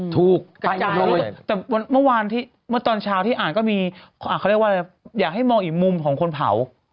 ถูกแต่เมื่อวานที่ตอนเช้าที่อ่านก็มีเขาเรียกว่าอยากให้มองอีกมุมของคนเผา